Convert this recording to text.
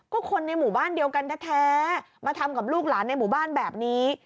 ก็คนในหมู่บ้านเดียวกันแท้มาทำกับลูกหลานในหมู่บ้านแบบนี้